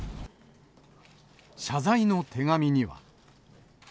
謝罪の手紙には。